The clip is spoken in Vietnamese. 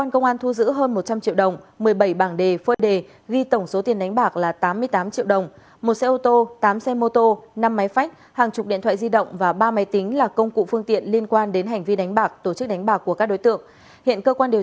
công an huyện bố trạch tỉnh quảng bình vừa triệt phá tụ điểm đánh bạc dưới hình thức số lô số đề